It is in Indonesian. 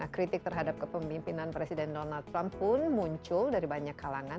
kritik terhadap kepemimpinan presiden donald trump pun muncul dari banyak kalangan